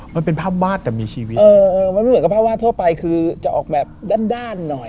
มันเป็นภาพวาดแต่มีชีวิตเออมันไม่เหมือนกับภาพวาดทั่วไปคือจะออกแบบด้านด้านหน่อย